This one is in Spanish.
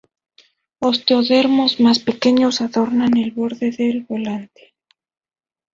Osteodermos más pequeños adornan el borde del volante.